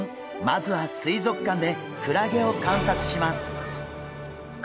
まずは水族館でクラゲを観察します。